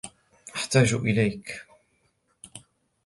أحتاج إليك.